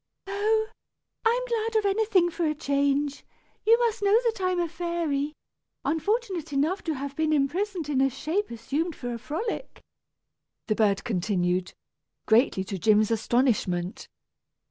"Oh! I am glad of anything for a change! You must know that I am a fairy, unfortunate enough to have been imprisoned in a shape assumed for a frolic," the bird continued, greatly to Jim's astonishment.